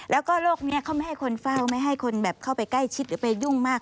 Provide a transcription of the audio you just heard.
แล้วก็โรคนี้เขาไม่ให้คนเฝ้าไม่ให้คนแบบเข้าไปใกล้ชิดหรือไปยุ่งมาก